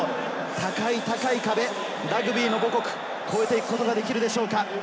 高い高い壁、ラグビーの母国、越えていくことができるでしょうか。